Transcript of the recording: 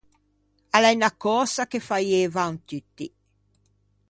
A l’é unna cösa che faieivan tutti.